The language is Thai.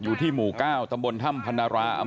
อยู่ที่หมู่เก้าตะพบนธรรมธรรณาราชีวิต